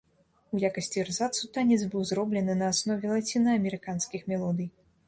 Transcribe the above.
У якасці эрзацу танец быў зроблены на аснове лацінаамерыканскіх мелодый.